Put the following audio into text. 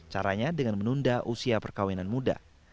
caranya dengan menunda usia perkawinan muda